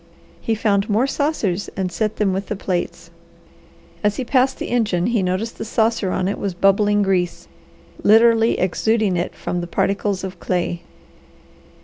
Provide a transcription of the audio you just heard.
He found more saucers and set them with the plates. As he passed the engine he noticed the saucer on it was bubbling grease, literally exuding it from the particles of clay.